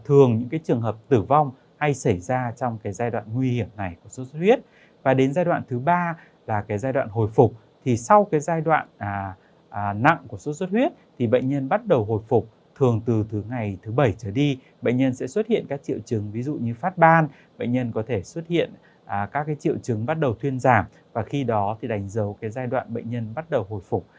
thường những trường hợp tử vong hay xảy ra trong giai đoạn nguy hiểm này của sốt xuất huyết và đến giai đoạn thứ ba là giai đoạn hồi phục thì sau giai đoạn nặng của sốt xuất huyết thì bệnh nhân bắt đầu hồi phục thường từ ngày thứ bảy trở đi bệnh nhân sẽ xuất hiện các triệu chứng ví dụ như phát ban bệnh nhân có thể xuất hiện các triệu chứng bắt đầu thuyên giảm và khi đó thì đánh dấu giai đoạn bệnh nhân bắt đầu hồi phục